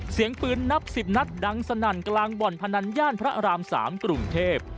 เสียงปืนนับ๑๐นัดดังสนั่นกลางบ่อนพนันย่านพระอาราม๓กรุงเทพ